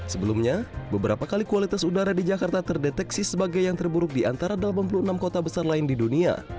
sebelumnya beberapa kali kualitas udara di jakarta terdeteksi sebagai yang terburuk di antara delapan puluh enam kota besar lain di dunia